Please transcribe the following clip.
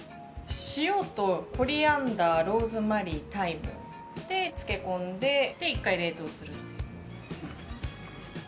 塩とコリアンダーローズマリータイムで漬け込んで１回冷凍する。